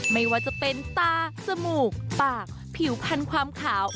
ไม่ว่าจะเป็นตาจมูกปากผิวคันความขาว